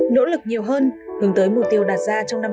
nỗ lực nhiều hơn hướng tới mục tiêu đạt ra trong năm hai nghìn hai mươi